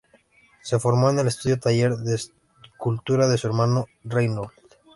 Se formó en el estudio taller de escultura de su hermano Reinhold.